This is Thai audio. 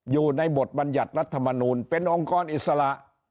อยู่ในบทบัญญัติรัฐมนูลเป็นองค์กรอิสระ